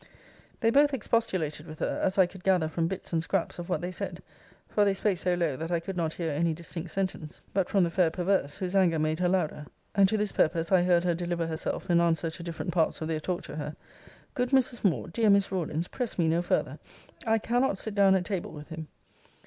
They both expostulated with her, as I could gather from bits and scraps of what they said; for they spoke so low, that I could not hear any distinct sentence, but from the fair perverse, whose anger made her louder. And to this purpose I heard her deliver herself in answer to different parts of their talk to her: 'Good Mrs. Moore, dear Miss Rawlins, press me no further: I cannot sit down at table with him!'